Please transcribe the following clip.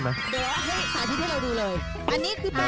เฮยกตำบล